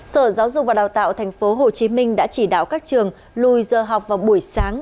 sở giáo dục và đào tạo tp hcm đã chỉ đạo các trường lùi giờ học vào buổi sáng